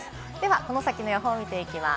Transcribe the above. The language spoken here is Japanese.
この先の予報を見ていきます。